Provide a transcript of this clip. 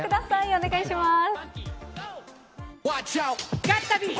お願いします。